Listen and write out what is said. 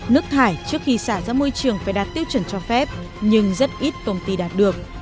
nước thải trước khi xả ra môi trường phải đạt tiêu chuẩn cho phép nhưng rất ít công ty đạt được